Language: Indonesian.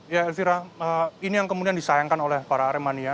ya elvira ini yang kemudian disayangkan oleh para aremania